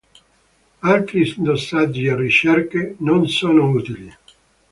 Altri dosaggi e ricerche non sono utili.